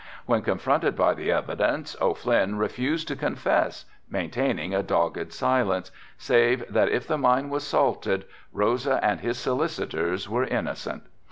When confronted by the evidence, O'Flynn refused to confess maintaining a dogged silence, save that if the mine was salted Rosa and his solicitors were innocent.